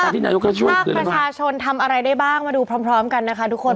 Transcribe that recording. ถ้าประชาชนทำอะไรได้บ้างมาดูพร้อมกันนะคะทุกคน